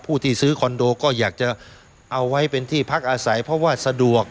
ที่ซื้อคอนโดก็อยากจะเอาไว้เป็นที่พักอาศัยเพราะว่าสะดวก